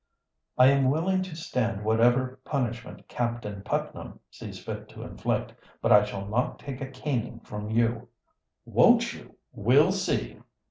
"I am willing to stand whatever punishment Captain Putnam sees fit to inflict. But I shall not take a caning from you." "Won't you? We'll see."